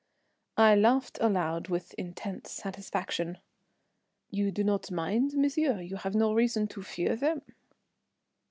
I laughed aloud with intense satisfaction. "You do not mind, monsieur? You have no reason to fear them?"